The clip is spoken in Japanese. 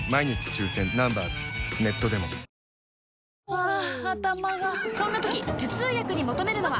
ハァ頭がそんな時頭痛薬に求めるのは？